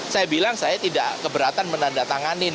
saya bilang saya tidak keberatan menandatanganin